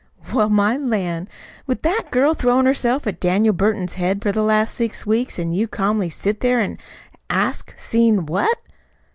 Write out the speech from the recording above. "Well, my lan'! With that girl throwin' herself at Daniel Burton's head for the last six weeks, an' you calmly set there an' ask 'seen what?'!"